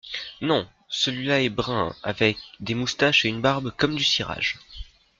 Non… celui-là est brun… avec des moustaches et une barbe comme du cirage.